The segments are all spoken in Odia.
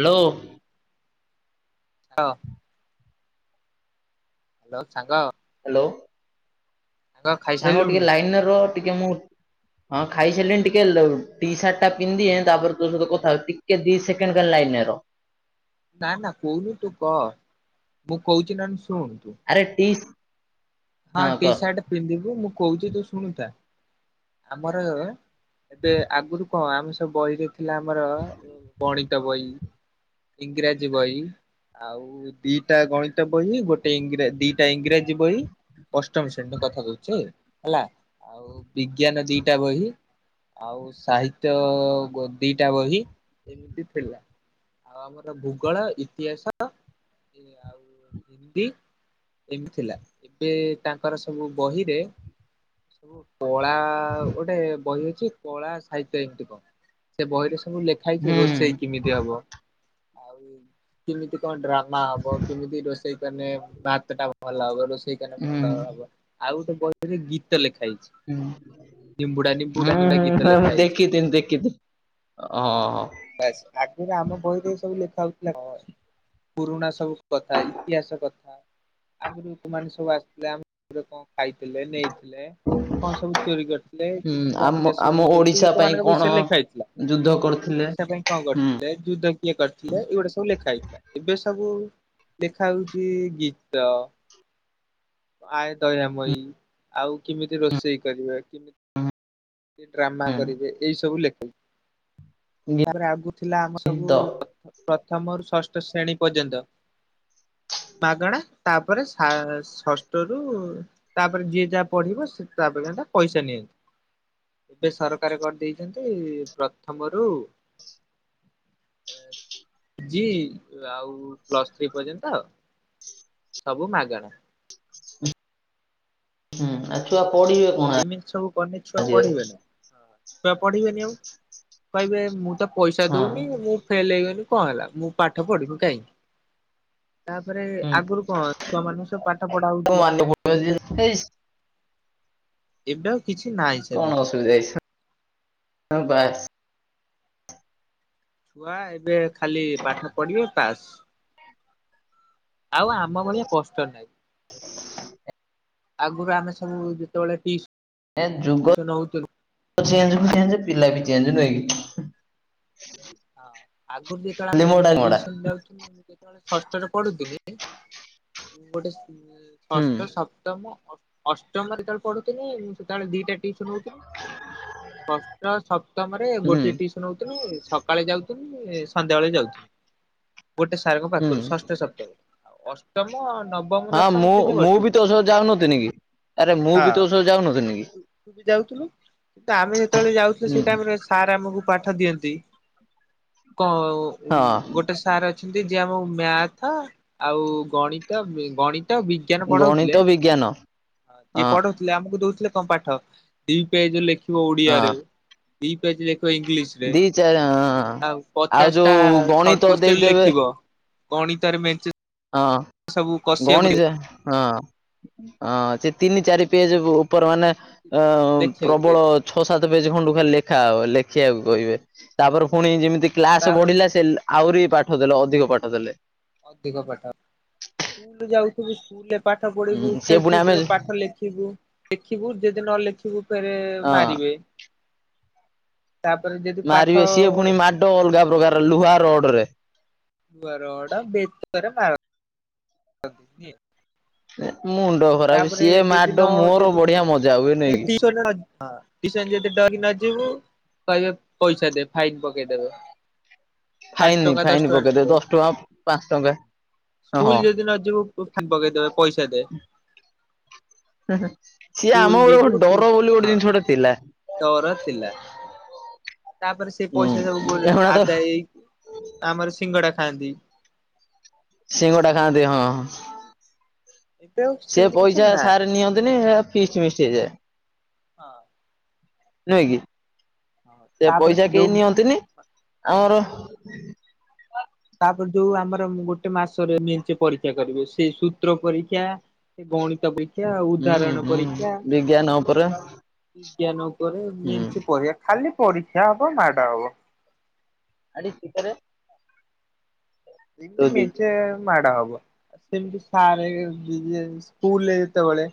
ହାଲୋ। [unintelligible] ହାଲୋ ସାଙ୍ଗ। ହାଲୋ। ସାଙ୍ଗ ସାଙ୍ଗ ଖାଇସାରିଲୁଣୁ ଟିକେ ଲାଇନ୍ ରହ ଟିକେ ମୁଁ ହଁ ଖାଇସାରିଲଣି ଟିକେ ଟି ସାର୍ଟ ଟା ପିନ୍ଧିଦିଏ ତାପରେ ତୋ ସହିତ କଥା ହେବି ଟି ଟିକେ ଦି ସେକେଣ୍ଡ୍ ଖାଲି ଲାଇନ୍ ରହ। ନା -ନା କହୁନୁ ତୁ କ ମୁଁ କହୁଚି ନଲେ ଶୁଣୁ ତୁ। ଆରେ ଟିସ୍ ହଁ ଟି- ସାର୍ଟ ପିନ୍ଧିବୁ ମୁଁ କହୁଚି ତୁ ଶୁଣୁଥା। ଆମର ଏବେ ଆଗୁରୁ କଣ ଆମେ ସବୁ ବହିରେ ଥିଲା ଆମର ଗଣିତ ବହି ଇଂରାଜୀ ବହି ଆ ଆଉ ଦିଇଟା ଗଣିତ ବହି ଗୋଟେ ଇଂ ଦିଇଟା ଇଂରାଜୀ ବହି। ଅଷ୍ଟମ ଶ୍ରେଣୀର କଥା କଉଛି ହେଲା ଆଉ ବିଜ୍ଞାନ ଦିଇଟା ବହି ଆଉ ସାହିତ୍ୟ ଗୋ ଦିଇଟା ବହି ଏମିତି ଥିଲା। ଆଉ ଆମର ଭୂଗୋଳ ଇତିହାସ ଆଉ ହିନ୍ଦୀ ଏମିତି ଥିଲା ଏବେ ତାଙ୍କର ସବୁ ବହିରେ ସବୁ କଳା ଗୋଟେ ବହି ଅଛି କଳା ସାହିତ୍ୟ ଏମିତି ଥିବ ସେ ବହିରେ ସବୁ ଲେଖ ଖାଇକି ହୁଁ ରୋଷେଇ କେମିତି ହବ ଆଉ କେମିତି କଣ ଡ୍ରାମା ହବ କେମିତି ରୋଷେଇ କଲେ ଭାତ ଟା ଭଲ ହବ ରୋଷେଇ ସେଇ କ ହୁଁ ଭଲ ହବ ଆଉ ଗୋଟେ ବହିରେ ଗୀତ ଲେଖା ହେଇଚି। ହଁ ହୁଁ ଗୀତ ହଁ ଲେଖା ହଁ ହେଇଛି ଦେଖିଥଲି ଦେଖିଥିଲି। ହଁ। ବାସ ଆଗରେ ଆମ ବହିରେ ଏ ସବୁ ଲେଖା ହଉଥିଲା ପୁରୁଣା ସବୁ କଥା ଇତିହାସ କଥା। ଆଗରୁ କୋଉମାନେ ସବୁ ଆସୁଥିଲେ ଆମର କଣ ଖାଇଥିଲେ ନେଇଥିଲେ ଥିଲେ କଣ ସବୁ ଚୋରି କରିଥିଲେ ହୁଁ କେମିତି ଆମ ଦେଶକୁ ବଞ୍ଚାଇଥିଲେ ଓଡିଶା ପାଇଁ ଲୋକମାନଙ୍କ କଣ ବିଷୟରେ ଲେଖା ହେଇଥିଲା। ଯୁଦ୍ଧ କର ଓଡିଶା ପାଇଁ କଣ କରିଥିଲେ ଯୁଦ୍ଧ କିଏ କରିଥିଲେ ଏଇଗୁଡା ସବୁ ଲେଖା ହେଇଥିଲା ଏବେ ସବୁ ଲେଖା ହଉଚି ଗୀତ ଆଏ ଦୟମଇ ଆଉ କେମିତି ରୋଷେଇ କରିବେ କି କେମିତି ଡ୍ରାମା ହୁଁ କରିବେ ଏଇ ସବୁ ଲେଖା ହେଇଚି। ତାପରେ ଆଗକୁ ଥିଲା ଆମ ଗୀତ ସବୁ ପ୍ରଥମରୁ ଷଷ୍ଠ ଶ୍ରେଣୀ ପର୍ଯ୍ୟନ୍ତ। ମାଗଣା ତାପରେ ଷଷ୍ଠ ରୁ ତାପରେ ଯିଏ ଯାହା ପଢିବ ସେ ତାପ ଯ୍ୟାନ୍ତ ପଇସା ନିଅନ୍ତି। ଏବେ ସରକାର କରିଦେଇଛନ୍ତି ପ୍ରଥମରୁ ଜି ଆଉ ପ୍ଲସ୍ ଥ୍ରୀ ପର୍ଯ୍ୟନ୍ତ ସବୁ ମାଗଣା। ହୁଁ ଆଉ ଛୁଆ ପଢିବେ କଣ ଏମିତି ସବୁ କନେ ଛୁଆ ଆଜିକାଲି ପଢିବେନା ଛୁଆ ପଢିବେନି ଆଉ କହିବେ ମୁଁତ ପଇସା ଦଉନି ମୁଁ ଫେଲେ ହେଇଗନି କଣ ହେଲା ମୁଁ ପାଠ ପଢିବି କାହିଁକି। ତାପରେ ହଁ। ଆଗରୁ କଣ ଛୁଆ ମାନଙ୍କ ସବୁ ପାଠ ପଢା ହଉଥିଲା। କଣ ଅସୁବିଧା ଏବେ ଆଉ କିଛି ହେଇଚି ନାହିଁ ସେମିତି ସା ହଁ ବାସ୍ ଛୁଆ ଏବେ ଖାଲି ପାଠ ପଢିବେ ପାସ୍। ଆଉ ଆମ ଭଳିଆ କଷ୍ଟ ନହିଁ। ଆଗରୁ ଆମେ ସବୁ ଯେତେବେଳେ ଟି୍ ଏ ଯୁଗ ହଁ ଚେଞ୍ଜକୁ ସେମିତି ପିଲା ବି ଚେଞ୍ଜ ନୁହେଁ କି? ହଁ ଆଗରୁ ଯେତେବେଳେ ଖାଲି ମୋଡା ମୋଡା। ଆମେଟିସନ୍ ଯାଉଥୁଲୁ। ଯେତେବେଳେ ଷଷ୍ଠରେ ପଢୁଥିଲି ଗୋଟେ ହୁଁ ଷଷ୍ଠ ସପ୍ତମ ଅ ଅଷ୍ଟମରେ ଯେତେବେଳେ ପଢୁଥିଲି ମୁଁ ସେତେବେଳେ ଦିଇଟା ଟିଉସନ୍ ହଉଥିଲି ଷଷ୍ଟ ସ ସପ୍ତମ ରେ ହୁଁ ଗୋଟେଏ ଟିଉସନ୍ ହଉଥିଲି ସକାଳେ ଯାଉଥିନି ସନ୍ଧ୍ୟାବେେଳେ ଯାଉଥିନି। ଗୋଟେ ସାରଙ୍କ ହୁଁ ପାଖରୁ ଷଷ୍ଠ ସପ୍ତମରେ ଅଷ୍ଟମ ନବମ ହଁ ଦଶମ ମୁଁ ତିନି ବର୍ଷ ମୁଁ ହଁ ବି ତୋ ସହ ଯାଉନଥିନି କି? ଆରେ ମୁଁ ବି ତୋ ସହ ଯାଉନଥିନି କି? କି ଆମେ ଯେତେବେଳେ ଯାଉଥିଲେ ହୁଁ ସେଇଟାଇମରେ ସାର୍ ଆମକୁ ପାଠ ଦିଅନ୍ତି। କଣ ଓ ହଁ ଗୋଟେ ସାର ରେ ଅଛନ୍ତି ଯିଏ ଆମକୁ ମ୍ୟାଥ ଆଉ ଗଣିତ ଗଣିତ ବିଗ୍ ବିଞାନ ପଢଉଥିଲେ ଗଣିତ ବିଜ୍ଞାନ ଜିଏ ହଁ ପଢଉଥିଲେ ଆମକୁ ଦଉଥିଲେ କଣ ପାଠ ଦିଇ ପେଜେ ଲେଖିବ ଓଡିଆରେ ହଁ ଦିଇ ପେଜ ଲେଖ ଇଂଲିଶରେ। ଚାଏ ହଁଅଁ ଆଉ ପଚାଶଟା ସଟ୍ କୋଶ୍ଚିନ୍ ଦେଇଦେବେ ଲେଖିବ ଗଣିତରେ ମେଞ୍ଚେ ହଁ ସବୁ କଷିବାକୁ ଗଣିତ ହଁ। ହଁ ସିଏ ତିନି ଚାରି ପେଜେକୁ ଉପର ମାନେ ଅ ଲେଖିବାକୁ ପ୍ରବଳ ଦେଇଦେବେ ଛଅ ସାତ ପେଜ ଖଣ୍ଡୁ ଖାଲି ଲେଖା ହବ ଲେଖିବାକୁ କହିବେ ତାପରେ ଫୁଣି ଯେମିତି କ୍ଲାସ ତାର ବଢିଲା ସେ ଲେ ଆହୁରି ପାଠ ଦେଲେ ଅଧିକ ପାଠ ଦେଲେ। ଅଧିକ ପାଠ ସ୍କୁଲ ଯାଉଥୁବୁ ସ୍କୁଲରେ ପାଠ ହୁଁ ପଢିବୁ ସିଏ ପୁଣି ଆମେ ଖେଳଛୁଟିରେ ପାଠ ଲେଖିବୁ ଲେଖିବୁ ଯଦି ନଲେଖିବୁ ଫେରେ ହଁ ମାରିବେ। ତାପରେ ଯ ମାରିବେ ସିଏ ଫୁଣି ମାଡ ଅଲଗା ପ୍ରକାର ଲୁହା ରଡରେ। ଲୁହା ରଡା ବେତରେ ମାର ରନ୍ତି ନିହେଁ। ମୁଣ୍ଡ ଖ ତାପରେ ଯଦି ନଅ ଯଦି ହୁଏ ଯଦି ନାଇକି। ଟିସନରେ ନ ହଁ। ଟିସସ ଯଦି ଡରିକି ନଯିବୁ କହିବେ ପଇସା ଦେ ଫାଇନ ପକେଇଦେବେ। ଫାଇନ ପାଞ୍ଚଟଙ୍କା ଫାଇନ ଦଶଟଙ୍କା ପକେଇଦେବେ ନେବେ ଦଶ ଟଙ୍କା ପାଞ୍ଚ ଟଙ୍କା ହଁ। ସ୍କୁଲ ଯଦି ନଯିବୁ ଓ ଫାଇନ ପକେଇଦେବେ ପଇସା ଦେ। ହେ ହେ ସିଏ ସ୍କୁଲ ଆମର ଗୋଟେ ଯିବୁ କଣ ଡର ଟିଉସନ ଯିବୁ ବୋଲି ଗୋଟେ ହଁ ଜିନିଷଟେ ଥିଲା। ଡର ଥିଲା। ତାପରେ ସେ ହୁଁ ପଇସା ସବୁକୁ ଗୋଟେ ଏଗୁଡା ତ ଆଦାୟୀ ଆମର ସିଙ୍ଗଡା ଖାଆନ୍ତି। ସିଙ୍ଗଡା ଖାଆନ୍ତି ହଁଁ ହଁ। ଏବେ ଆଉ ସିଏ ସେମିତି କିଛି ପଇସା ନାହିଁ ସାରେ ନିଅନ୍ତିନି ହେରା ଫିଷ୍ଟ ମିଷ୍ଟ ହେଇଯାଏ। ହଁ ନୁହେଁକି ହଁ ସେ ତାପରେ ପଇସା ଯୋଉ କେହି ନିଅନ୍ତିନି ଆମର ତାପରେ ଯୋଉ ଆମର ଗୋଟେ ମାସରେ ମେଞ୍ଚେ ପରୀକ୍ଷା କରିବେ ସେଇ ସୂତ୍ର ପରୀକ୍ଷା ସେଇ ଗଣିତ ପରୀକ୍ଷା ଆଉ ହୁଁ ଉଦାହରଣ ହୁଁ ପରୀକ୍ଷା। ବିଜ୍ଞାନ ଉପରେ ବିଜ୍ଞାନ ଉପରେ ହୁଁ ମିଞ୍ଚେ ଏ ପଢିବା ଖାଲି ପରୀକ୍ଷା ହବ ମାଡ ହବ। ଆଜି ଶୀତରେ ଏମିତି ଦେଇଛି ମିଞ୍ଚେ ମାଡ ହବ ସେମତି ସାରେ [unintelligible] ସ୍କୁଲରେ ଯେତେବେଳେ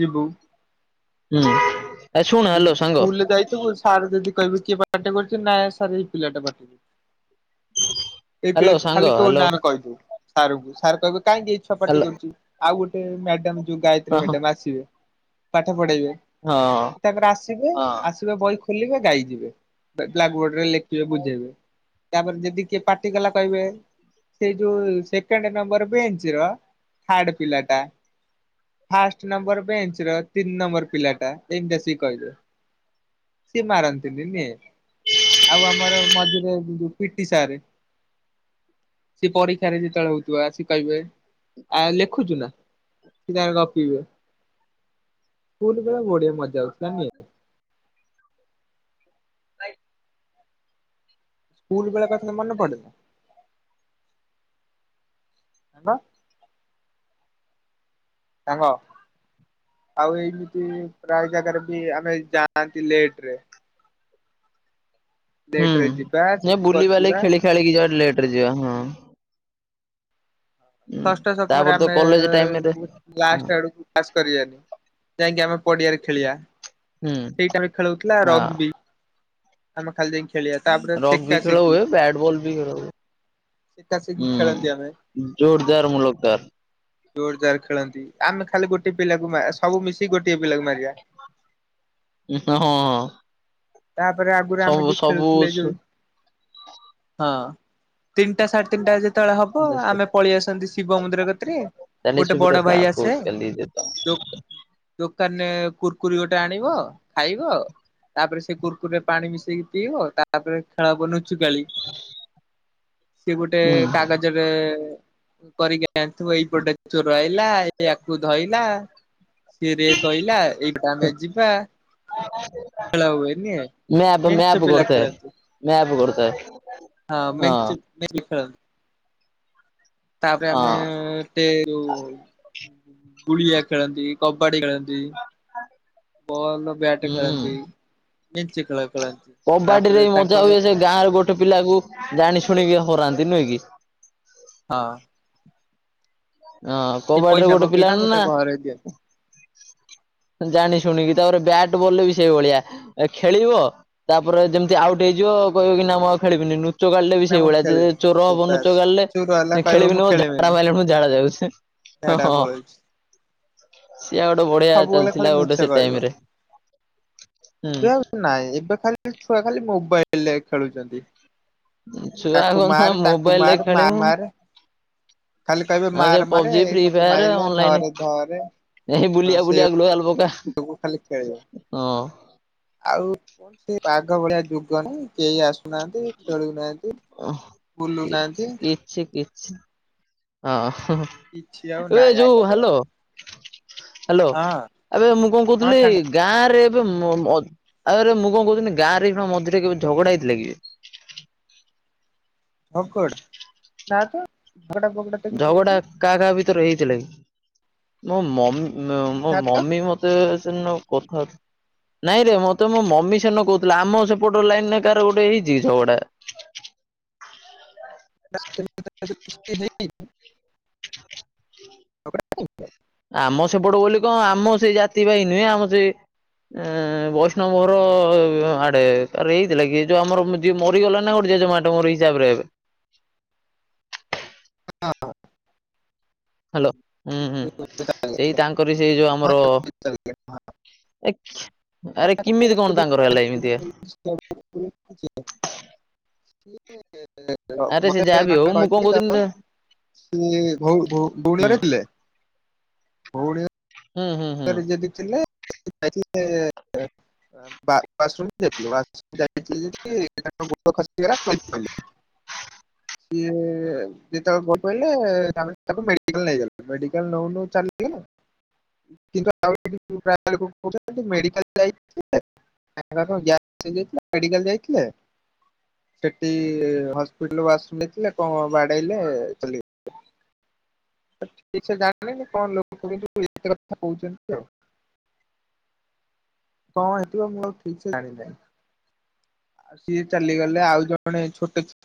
ଯିବୁ ହୁଁ। ଏ ଶୁଣ ହ୍ୟାଲୋ ସାଙ୍ଗ ସ୍କୁଲରେ ଯାଇଥିବୁ ସାର୍ ଯଦି କହିବେ କିଏ ପାଟି କରୁଚି ନା ଆଜ୍ଞା ସାରେ ଏଇ ପିଲାଟା ପାଟି କରୁଚି ଏବେ ହ୍ୟାଲୋ ସାଙ୍ଗ ଖାଲି ତୋ ହ୍ୟାଲୋ ନାଁ ଆମେ କହିଦୋବୁ ସାରଙ୍କୁ ସାର୍ କହିବେ କାହିଁକି ଏଇ ଛୁଆ ପାଟି ହ୍ୟାଲୋ କରୁଚି ଆଉ ଗୋଟେ ମ୍ୟାଡାମ ଯୋଉ ଗାୟତ୍ରୀ ହଁ ହଁ ମ୍ୟାଡାମ ଆସିବେ ପାଠ ପଢେଇବେ। ତାଙ୍କର ଆସିବେ ହଁ ଆସିବେ ବହି ଖୋଲିବେ ଗାଇଯିବେ ବେ-ବ୍ଲାକ୍ ବୋର୍ଡରେ ଲେଖିବେ ବୁଝେଇବେ। ତାପରେ ଯଦି କିଏ ପାଟି କଲା କହିବେ ସେ ଯୋଉ ସେକେଣ୍ଡ ନମ୍ବର ବେଞ୍ଚର ଥାର୍ଡ ପିଲାଟା। ଫାଷ୍ଟ ନମ୍ବର ବେଞ୍ଚର ତିନି ନମ୍ବର ପିଲାଟା ଏମତି ଆସିକି କହିବେ। ସିଏ ମାରନ୍ତିନି ନିହେଁ। ଆଉ ଆମର ମଝିରେ ଜିଏ ଯୋଉ ପିଟି ସରେ ସିଏ ପରୀକ୍ଷାରେ ଯେତେବେଳେ ହୋଉଥିବ ଆସିକି କହିବେ ଆ ଲେଖୁଚୁ ନା। ସିଏ ତାଙ୍କର ଗପିବେ ସ୍କୁଲ ବେଳେ ବଢିଆ ମଜା ହୋଉଥୁଲା ନୁହେଁ। ଭାଇ ସ୍କୁଲବେଳ କଥା ମନେ ପଡେ ନା? ନା ତ। ସାଙ୍ଗ। ଆଉ ଏମିତି ପ୍ରାୟ ଜାଗାରେ ବି ଆମେ ଯାଆନ୍ତି ଲେଟରେ। ହୁଁ ଲେଟ ରେ ଯିବା ସିଏ ସେଠି ବୁଲିବାଲି ବସିବା ଖେଳି ଖାଳିକି ଯିବା ଲେଟରେ ଯିବା ହଁ। ହୁଁ ଷଷ୍ଠ ସମରେ ତାପରେ ତ ଆମେ କଲେଜ ଟାଇମରେ ହୁଁ ଲାଷ୍ଟ ଆଡକୁ ପାସ୍ କରିବାନି ଯାଇକି ଆମେ ପଡିଆରେ ଖେଳିବା ସେଇଟାରେ ଖେଳହଉଥିଲା ରଗବି। ଆମେ ଖାଲି ଯାଇକି ଖେଳିବା ତାପରେ ରଗ ସେକା ବି ଖେଳ ସେକି ହୁଏ ବ୍ୟାଟ ବଲ ବି ଖେଳ ହୁଏ। ସେକା ସେକି ହୁଁ ଖେଳନ୍ତି ଆମେ ଜୋରଦାର ମୁଲକ ତାର। ଜୋର ଜୋର ଖେଳନ୍ତି ଆମେ ଖାଲି ଗୋଟଏ ପିଲାକୁ ସବୁ ମିଶିକି ଗୋଟଏ ପିଲାକୁ ମାରିବା। ହଁ ହଁ। ତାପରେ ଆଗରୁ ଆମେ ଯୋଉ ଖେଳୁଥିଲେ ଯୋଉ ହଁ। ତିନିଟା ସାଢେ ତିନିଟା ଯେତେବେଳେ ହବ ଆମେ ପଳେଇ ଆସନ୍ତି ଶିବ ମନ୍ଦିର କତିରେ। ଚାଲି ସୁବିଧା ତାଙ୍କୁ କେନ୍ଦି ଦେତ ଦୋକ ଦୋକାନରେ କୁୁରକୁରି ଗୋଟେ ଆଣିବ ଖାଇବ ତାପରେ ସେ କୁରକୁରେ ପାଣି ମିଶେଇକି ପିଇବ, ତାପରେ ଖେଳ ହେବ ଲୁଚକାଳି। ସିଏ ଗୋଟେ କାଗଜରେ କରିକି ଆଣିଥିବ ଏଇପଟେ ଚୋର ଆଇଲା ଇୟାକୁ ଧଇଲା। ସିଏ ଟିକେ କହିଲା ଏଇଟା ଆମେ ଯିବା। ଖେଳ ହୁଏନି ମ୍ୟାପ ମେଞ୍ଚେ ମ୍ୟାପ ପିଲା କରୁଥାଏ ଖେଳନ୍ତି ମ୍ୟାପ କରୁଥାଏ। ହଁ ମେଞ୍ଚେ ମିଶିକି ଖେଳ। ତାପରେ ଆମେ ହଁ ଟେରୁ ଗୁଳିଆ ଖେଳନ୍ତି କବାଡି ଖେଳନ୍ତି। ବଲ ବ୍ୟାଟ ହୁଁ। ଖେଳନ୍ତି ମେଞ୍ଚେ ଖେଳ ଖେଳନ୍ତି। କବାଡି ରେ ତାପରେ ତାଙ୍କ ମଜା ହୁଏ ଘରେ ସେ ଗାଁରେ ଗୋଟେ ପିଲାକୁ ଜାଣି ଶୁଣିକି ହରାନ୍ତି ନୁହେଁ କି। ହଁ। ହଁ ସେ କବାଡ଼ି ର ପଇସା ଗୋଟେ ପିଲା ପକେଇଥା ଆମେ ତା ନା ଘରେ ଜାଣି ଶୁଣିକି ତାପରେ ବ୍ୟାଟ୍ ବଲରେ ବି ସେଇ ଭଳିଆ ଖେଳିବ ତାପରେ ଯେମିତି ଦିଅନ୍ତି। ଆଉଟ ହେଇଯିବ କହିବ କି ନା ମୁଁ ଆଉ ଖେଳିବିନି। ଲୁଚକାଳି ବି ନା ମୁଁ ସେଇଭଳିଆ ସେ ଯେ ଖେଳିବିନି ଚୋର ସେ ହବ ବାସ୍ ଲୁଚକାଳି ଚୁପ୍ ରହିଲା କହିବ ମୁଁ ଖେଳିବିନି ମ ଝାଡ଼ା ମାଇଲାଣି ମୁଁ ଝାଡ଼ା ଯାଉଚି। ହ ଝାଡା ହଁ। ପଳଉଛି। ସିଏ ଗୋଟେ ବଢିଆ ସବୁବେଳେ ଖାଲି ଚାଲିଥିଲା ମିଛ ଗୋଟେ ସେ କହିବ। ଟାଇମରେ। ଏବେ ଆଉ ନାଇଁ ଏବେ ଖାଲି ଛୁଆ ଖାଲି ମୋବାଇଲରେ ଖେଳୁଚନ୍ତି। ଛୁଆ କଣ ତା ତାକୁ ମୋବାଇଲରେ ମାର ମା ଖେଳିବୁ। ମାରେ ଖାଲି କହିବେ ହଁ ମାର ସେ ମାରେ ପବଜି ଏଇ ଫ୍ରି ମତେ ଫାୟର ମାଇଲା ଅନ୍ଲାଇନ ଧରେ ଧରେ ଏଇ ବୁଲିଆ ବୁଲିଆ ଗଲ ଆଲ ପକା। ସବୁ ଖାଲି ଖେଳ ଆଉ ସେ ବାଘ ଭଳିଆ ଯୁଗ ନାଇ। କେଇ ଆସୁନାହାନ୍ତି ଖେଳୁନାହାନ୍ତି ବୁଲୁନାହାନ୍ତି। ସେ କିଛି ହଁ। କିଛି ଆଉ ଏ ନାଇଁ ଆଗ ଭଳିଆ। ହାଲୋ ହଁ ଆବେ ମୁଁ କଣ ହଁ କହୁଥିଲି ସାଙ୍ଗ ଗାଁ ରେ ଏବେ ମ ମ ଆଥିରେ ମୁଁ କଣ କହୁଥିଲି ଗାଁ ରେ ଏଇକ୍ଷୀଣ ମଝିରେ କେବେ ଝଗଡା ହେଇଥିଲା କିିବେ? ଭୋକଡ ନା ତ ଝଗଡା ଫକଡା ତ କିଛି ହେଇନି। କା କା ଭିତରେ ହେଇଥିଲା କି ମୋ ମମି ମୋ ନା ତ ମମି ମତେ ତେ ସେ ଦିନ କଥା ହଉଥି ନାଇଁ ରେ ମତେ ମୋ ମମି ସେଦିନ କହୁଥିଲା। ଆମ ସେପଟ ଲାଇନରେ କାହାର ଗୋଟେ ହେଇଚି କି ଝଗଡା। [unintelligible] ଆମ ସେପଟ ବୋଲି କଣ ଆମ ସେଇ ଜାତି ଭାଇ ନୁହେଁ ଆମ ସେ ଅଁ ବୈଷ୍ଣବ ଘର ଆଡେ ତାର ଏଇଥିଲା କି ଏ ଯୋଉ ଆମର ଯିଏ ମରିଗଲା ନା ଗୋଟେ ଜେଜେମାଟ ମୋର ହିସାବରେ ହେବେ। ହଁ ହଁ। ହାଲୋ ହୁଁ ହୁଁ ସେଇ ତାଙ୍କରି ସେଇ ଯୋଉ ଆମର [unintelligible] ଏକ୍ସି ଆରେ କେମିତି କଣ ତାଙ୍କର ହେଲା ଏମିତିଆ? [unintelligible] ଆରେ ସେ ମତେ ଯାହାବି ହଉ ମୁଁ କଣ କହି ତ କହୁଥିଲି [unintelligible] ସିଏ ଭଉ ହୁ ଭଉଣୀ ହୁଁ ଘରେ ଥିଲେ ଭଉଣୀ ହୁଁ ହୁଁ ହୁଁ। ଯଦିଥିଲେ ଯାଇଥିଲେ ବାତରୁମ୍ ଯାଇଥିଲେ ୱାଶରୁମ୍ ଯାଇଥିଲି ଯେ ତାଙ୍କ ଗୋଡ ଖସିଗଲା ଗଳି ପଇଲେ। ସିଏ ଯେତେବେଳେ ଗଳି ପଇଲେ ତାଙ୍କୁ ମେଡିକାଲ ନେଇଗଲେ ମେଡିକାଲ ନଉନଉ ଚାଲିଗଲେ। କିନ୍ତୁ ପ୍ରାୟ ଲୋକେ କହୁଛନ୍ତି ମେଡିକାଲ ଯାଇଥିଲେ ତାଙ୍କର ଗ୍ୟାସ ହେଇଯାଇଥିଲା ମେଡିକାଲ ଯାଇଥିଲେ। ସେଠି ହସ୍ପିଟାଲ ୱାଶରୁମ ଯାଇଥିଲେ କଣ ବାଡ଼େଇଲେ ଚାଲିଗ ଠିକ ସେ ଜାଣିନାହାନ୍ତି କଣ ଲୋକ କହୁଛନ୍ତି ଶୁଣିକି ସେକଥା କହୁଛନ୍ତି ଆଉ। କଣ ହେଇଥିବ ମୁଁ ଆଉ ଠିକ୍ ସେ ଜାଣିନାହିଁ। ଆଉ ସିଏ ଚାଲିଗଲେ ଆଉ ଜଣେ ଛୋଟ ଛୁଆ